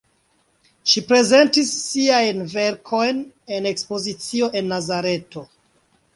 Ŝi prezentis siajn verkojn en ekspozicio en Nazareto.